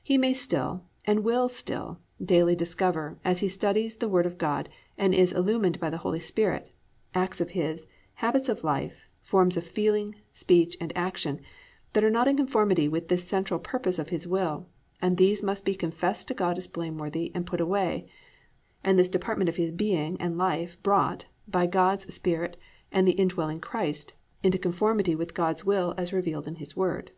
He may still, and will still, daily discover, as he studies the Word of God and is illumined by the Holy Spirit, acts of his, habits of life, forms of feeling, speech and action, that are not in conformity with this central purpose of his will, and these must be confessed to God as blameworthy and put away, and this department of his being and life brought, by God's Spirit and the indwelling Christ, into conformity with God's will as revealed in His Word.